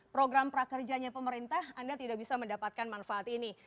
program prakerjanya pemerintah anda tidak bisa mendapatkan manfaat ini